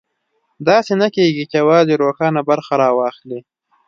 داسې نه کېږي چې یوازې روښانه برخه راواخلي.